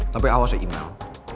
tapi awas ya imel